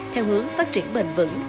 theo hướng phát triển bền vững